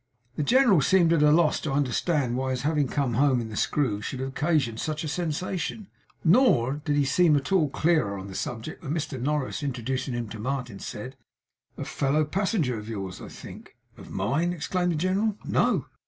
The general seemed at a loss to understand why his having come home in the Screw should occasion such a sensation, nor did he seem at all clearer on the subject when Mr Norris, introducing him to Martin, said: 'A fellow passenger of yours, I think?' 'Of mine?' exclaimed the general; 'No!